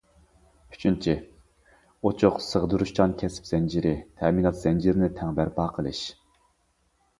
ئۈچىنچى، ئوچۇق، سىغدۇرۇشچان كەسىپ زەنجىرى، تەمىنات زەنجىرىنى تەڭ بەرپا قىلىش.